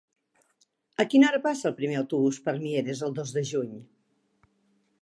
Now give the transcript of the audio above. A quina hora passa el primer autobús per Mieres el dos de juny?